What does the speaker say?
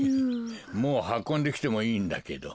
もうはこんできてもいいんだけど。